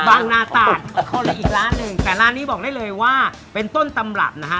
บางนาตาดคนละอีกร้านหนึ่งแต่ร้านนี้บอกได้เลยว่าเป็นต้นตำรับนะฮะ